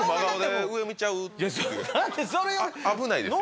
危ないですよ。